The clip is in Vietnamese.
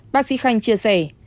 bác sĩ khanh chia sẻ